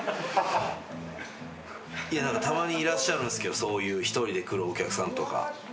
いや何かたまにいらっしゃるんすけどそういう一人で来るお客さんとか。